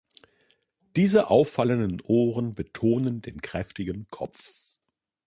Diese auffallenden Ohren betonen den kräftigen Kopf.